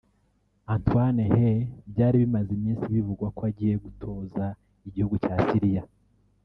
Antoine Hey byari bimaze iminsi bivugwa ko agiye gutoza igihugu cya Syria